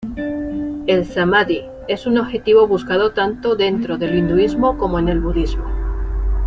El "samadhi" es un objetivo buscado tanto dentro del hinduismo como en el budismo.